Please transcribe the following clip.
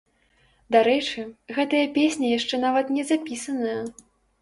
Дарэчы, гэтая песня яшчэ нават не запісаная!